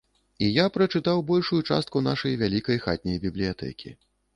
І я прачытаў большую частку нашай вялікай хатняй бібліятэкі.